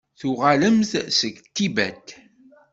Tuɣalem-d seg Tibet?